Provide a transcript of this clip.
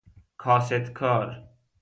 کاستکار